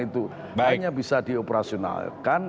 itu hanya bisa dioperasiakan